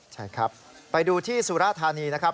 ใช่ครับไปดูที่สุราธานีนะครับ